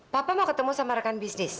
papa mau ketemu sama rekan bisnis